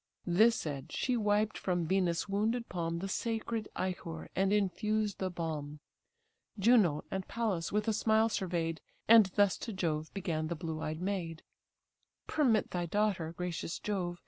This said, she wiped from Venus' wounded palm The sacred ichor, and infused the balm. Juno and Pallas with a smile survey'd, And thus to Jove began the blue eyed maid: "Permit thy daughter, gracious Jove!